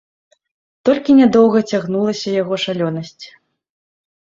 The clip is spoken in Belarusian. Толькі нядоўга цягнулася яго шалёнасць.